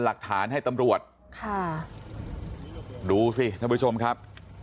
หลักฐานให้ตำรวจค่ะดูสิท่านผู้ชมครับ